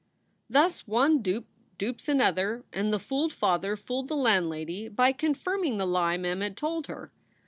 Thus one dupe dupes another and the fooled father fooled the landlady by confirming the lie Mem had told her.